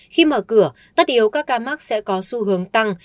khi mở cửa tất yếu các ca mắc sẽ có xu hướng tăng